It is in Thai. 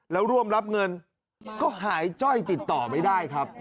แล้วร่วมรับเงินก็หายจ้อยติดต่อไม่ได้ครับ